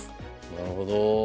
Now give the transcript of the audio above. なるほど。